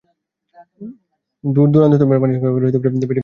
দূরদূরান্ত থেকে পানি সংগ্রহ করায় বেশি সময় পাম্প চালু রাখতে হচ্ছে।